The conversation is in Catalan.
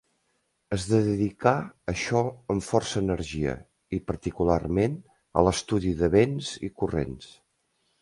Es dedicà a això amb força energia i, particularment, a l'estudi de vents i corrents.